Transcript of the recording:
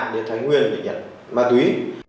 đến thái nguyên để nhận ma túy